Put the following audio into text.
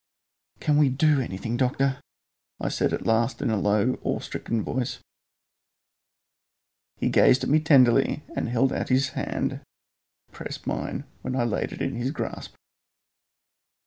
"Can we do anything, doctor?" I said at last in a low awe stricken voice. He gazed at me tenderly and held out his hand to press mine, when I laid it in his grasp.